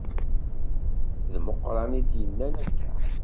D Meqqran i d-yennan akka.